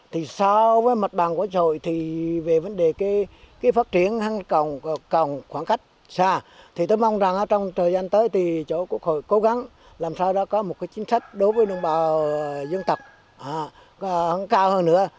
thì so với mặt bằng của châu hội thì về vấn đề cái phát triển hàng cộng khoảng cách xa thì tôi mong rằng trong thời gian tới thì châu hội cố gắng làm sao ra có một cái chính sách đối với đồng bào dân tộc hơn cao hơn nữa